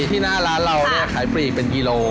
ที่หน้าร้านเราเนี่ยขายปรีกเป็นกี่โล